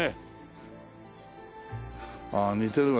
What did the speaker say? ああ似てるわ